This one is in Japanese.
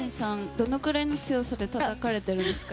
どのくらいの強さでたたかれているんですか？